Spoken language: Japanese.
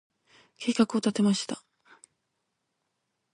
計画を立てました。